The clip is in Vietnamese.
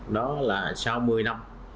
đó là sau một mươi năm